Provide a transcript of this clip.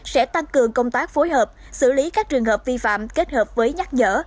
sẽ tăng cường công tác phối hợp xử lý các trường hợp vi phạm kết hợp với nhắc nhở